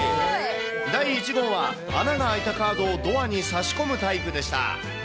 第１号は穴の開いたカードをドアに差し込むタイプでした。